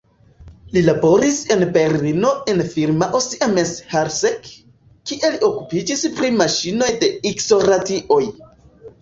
Li laboris en Berlino en firmao "Siemens–Halske", kie li okupiĝis pri maŝinoj de ikso-radioj.